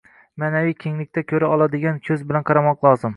– ma’naviy kenglikda ko‘ra oladigan ko‘z bilan qaramoq lozim